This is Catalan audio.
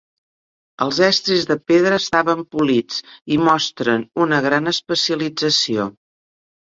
Els estris de pedra estaven polits i mostren una gran especialització.